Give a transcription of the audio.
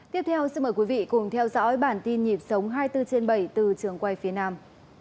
tiếp theo xin mời quý vị cùng theo dõi bản tin nhịp sống hai mươi bốn trên bảy từ trường quay phía nam